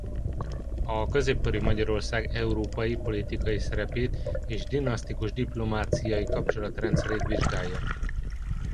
A középkori Magyarország európai politikai szerepét és dinasztikus-diplomáciai kapcsolatrendszerét vizsgálja.